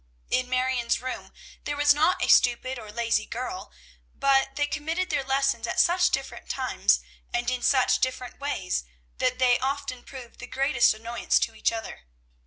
In Marion's room there was not a stupid or a lazy girl; but they committed their lessons at such different times, and in such different ways, that they often proved the greatest annoyance to each other.